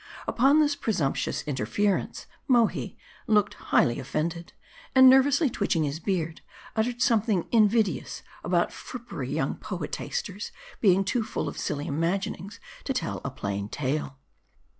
Upon this presumptuous interference, Mohi looked highly offended ; and nervously twitching his beard, uttered some thing invidious about frippery young poetasters being too full of silly imaginings to tell a plain tale.